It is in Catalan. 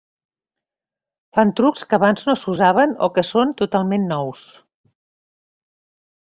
Fan trucs que abans no s'usaven o que són totalment nous.